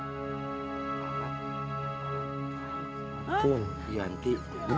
dialah pak esa